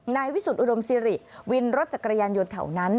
วิสุทธิอุดมสิริวินรถจักรยานยนต์แถวนั้น